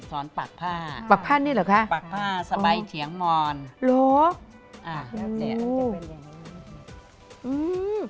สอนปักผ้าปักผ้านี่เหรอค่ะปักผ้าสะใบเฉียงมอนหรออ่าอืม